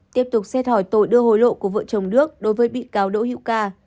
tiếp tục xét hỏi tội đưa hối lộ của vợ chồng đức đối với bị cáo đỗ hữu ca